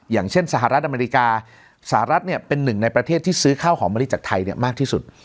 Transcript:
อย่างเช่นสหรัฐอเมริกาสหรัฐเป็นหนึ่งในประเทศที่ซื้อข้าวหอมมะลิจากไทยมากที่สุด